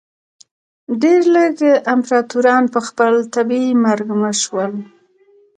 ډېر لږ امپراتوران په خپل طبیعي مرګ مړه شول.